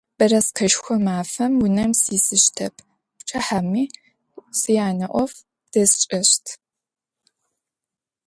Бэрэскэшхо мафэм унэм сисыщтэп, пчыхьэми сянэ ӏоф дэсшӏэщт.